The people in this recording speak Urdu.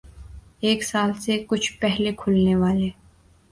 ایک سال سے کچھ پہلے کھلنے والے